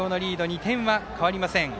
２点は変わりません。